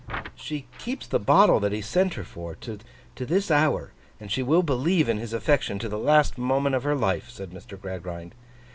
'She keeps the bottle that he sent her for, to this hour; and she will believe in his affection to the last moment of her life,' said Mr. Gradgrind.